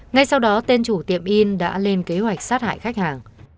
ngay sau đó tên chủ tiệm in đã lên kế hoạch sát hại khách hàng